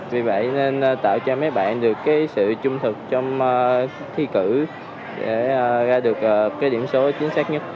vì vậy nên tạo cho mấy bạn được cái sự trung thực trong thi cử để ra được cái điểm số chính xác nhất